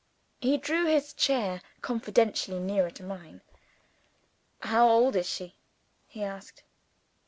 He drew his chair confidentially nearer to mine. "How old is she?" he asked.